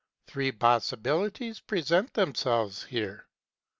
Three possibilities present themselves here.